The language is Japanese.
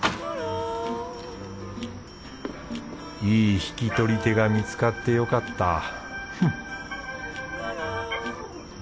いい引き取り手が見つかってよかったフッ